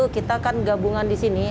kita kan gabungan di sini